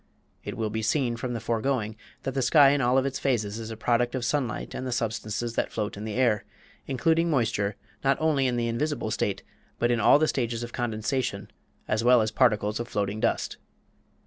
It will be seen from the foregoing that the sky in all of its phases is a product of sunlight and the substances that float in the air, including moisture, not only in the invisible state, but in all the stages of condensation, as well as particles of floating dust.